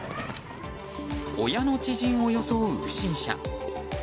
親の知人を装う不審者。